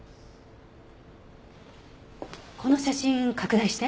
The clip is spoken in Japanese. この写真拡大して。